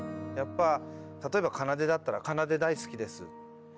やっぱ例えば『奏』だったら「『奏』大好きです」。